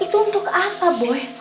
itu untuk apa boy